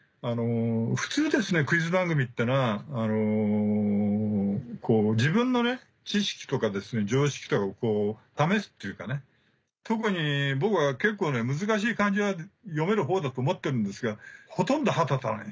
普通クイズ番組っていうのは自分の知識とか常識とかを試すっていうか特に僕は結構難しい漢字は読めるほうだと思ってるんですがほとんど歯立たない。